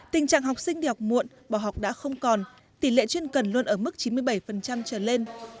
tình trạng học sinh đi học muộn bỏ học đã không còn tỷ lệ chuyên cần luôn ở mức chín mươi bảy trở lên